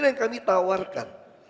yang kami tawarkan